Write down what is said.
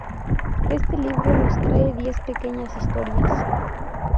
Este libro nos trae diez pequeñas historias.